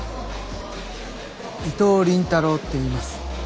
伊藤倫太郎って言います。